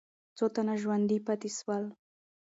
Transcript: څو تنه ژوندي پاتې سول؟